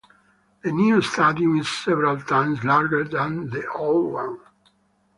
The new stadium is several times larger than the old one.